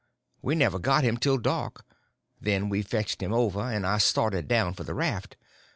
We never got him till dark; then we fetched him over, and I started down for the raft.